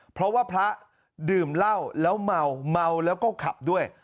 เพราะว่าพระดื่มเหล้าแล้วเมาเมาแล้วก็ขับด้วย